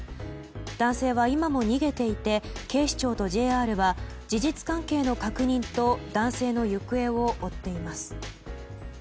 男性は今も逃げていて警視庁とＪＲは事実関係の確認と男性の行方を追っています。